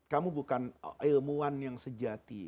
kamu bukan ilmuwan yang sejati